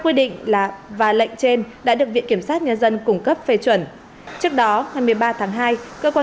quy định là và lệnh trên đã được viện kiểm sát nhân dân cung cấp phê chuẩn trước đó hai mươi ba tháng hai cơ quan